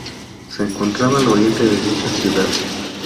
Se encontraba al oriente de dicha ciudad.